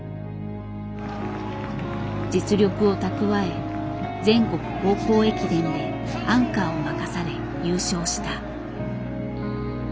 実力を蓄え全国高校駅伝でアンカーを任され優勝した。